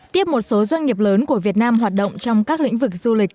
tiếp một số doanh nghiệp lớn của việt nam hoạt động trong các lĩnh vực du lịch